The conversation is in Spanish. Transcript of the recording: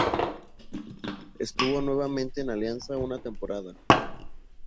Estuvo nuevamente en Alianza una temporada.